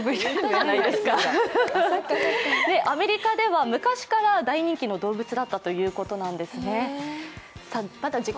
アメリカでは昔から大人気の動物だったということなんですね。